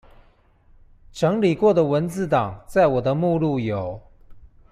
整理過的文字檔在我的目錄有